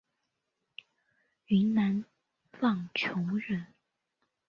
云南浪穹人。